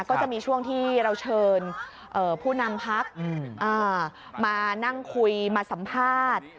ก็จะมีช่วงที่เราเชิญผู้นำพักมานั่งคุยมาสัมภาษณ์